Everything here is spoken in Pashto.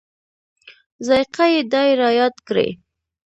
ذایقه یې دای رایاد کړي.